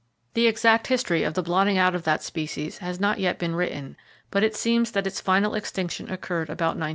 The exact history of the blotting out of that species has not yet been written, but it seems that its final extinction occurred about 1901.